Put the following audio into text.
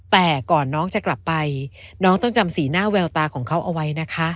แต่ก่อนน้องจะกลับไปน้องต้องจำสีหน้าแววตาของเขาเอาไว้นะคะ